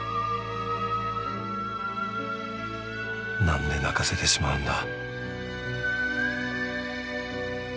何で泣かせてしまうんだ？